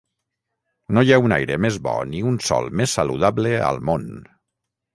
No hi ha un aire més bo ni un sòl més saludable al món.